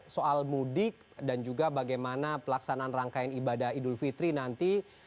soal mudik dan juga bagaimana pelaksanaan rangkaian ibadah idul fitri nanti